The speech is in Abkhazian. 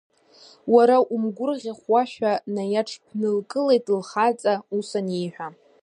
Уара умгәырӷьахуашәа, наиаҽԥнылкылеит лхаҵа, ус аниҳәа.